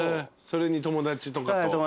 それに友達とかと？